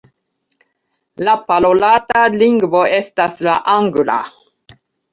La parolata lingvo estas la angla.